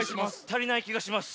たりないきがします。